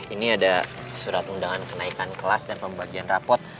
ini ada surat undangan kenaikan kelas dan pembagian rapot